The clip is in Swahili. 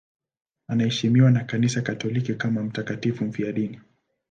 Anaheshimiwa na Kanisa Katoliki kama mtakatifu mfiadini.